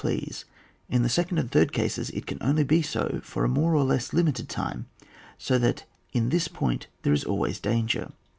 ]15 please; in the seoond and third cases, it oan only be so for a more or less limited time, so that in this point there is always dan ger.